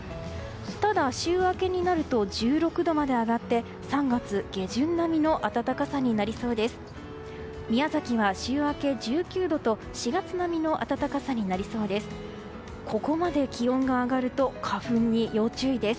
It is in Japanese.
ただ、週明けになると１６度まで上がって３月下旬並みの暖かさになりそうです。